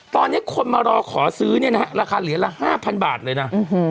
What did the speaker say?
ตอนนี้คนมารอขอซื้อเนี่ยนะฮะราคาเหรียญละ๕๐๐บาทเลยนะ